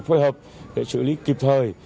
phối hợp để xử lý kịp thời